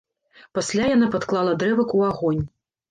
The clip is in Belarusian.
Пасля яна падклала дрэвак у агонь.